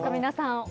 皆さん。